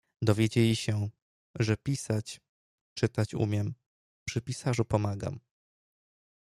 "Dowiedzieli się, że pisać, czytać umiem, przy pisarzu pomagam."